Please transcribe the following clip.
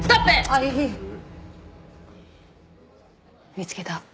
見つけた。